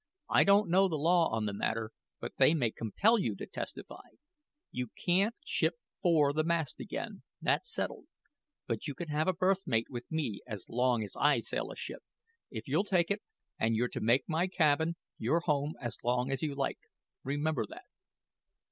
I don't know the law on the matter, but they may compel you to testify. You can't ship 'fore the mast again that's settled. But you can have a berth mate with me as long as I sail a ship if you'll take it; and you're to make my cabin your home as long as you like; remember that.